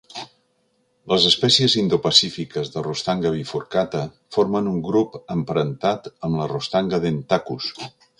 Les espècies indo-pacífiques de "Rostanga bifurcata" formen un grup emparentat amb la "Rostanga dentacus".